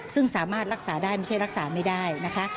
ซึ่งสามารถรักษาได้ไม่ใช่รักษาไม่ได้นะคะ